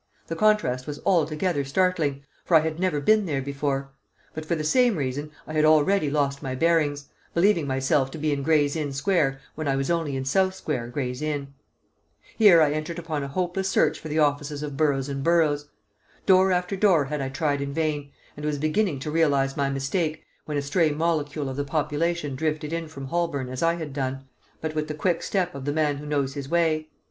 The contrast was altogether startling, for I had never been there before; but for the same reason I had already lost my bearings, believing myself to be in Gray's Inn Square when I was only in South Square, Gray's Inn. Here I entered upon a hopeless search for the offices of Burroughs and Burroughs. Door after door had I tried in vain, and was beginning to realise my mistake, when a stray molecule of the population drifted in from Holborn as I had done, but with the quick step of the man who knows his way.